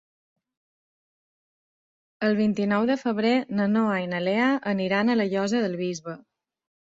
El vint-i-nou de febrer na Noa i na Lea aniran a la Llosa del Bisbe.